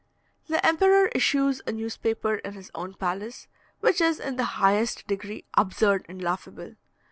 The emperor issues a newspaper in his own palace, which is in the highest degree absurd and laughable.